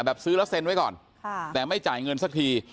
ซื้อแล้วเซ็นไว้ก่อนแต่ไม่จ่ายเงินสักที